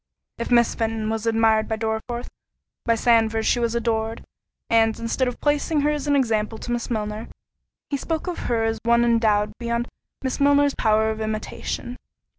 If Miss Fenton was admired by Dorriforth, by Sandford she was adored—and, instead of placing her as an example to Miss Milner, he spoke of her as of one endowed beyond Miss Milner's power of imitation.